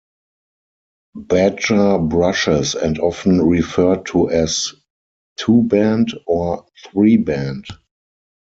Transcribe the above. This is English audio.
Badger brushes and often referred to as two band, or three band.